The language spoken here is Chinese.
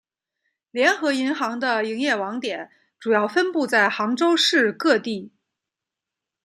联合银行的营业网点主要分布在杭州市各地。